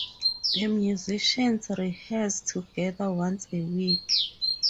The musicians rehearse together once a week.